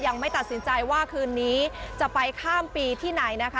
ยังไม่ตัดสินใจว่าคืนนี้จะไปข้ามปีที่ไหนนะคะ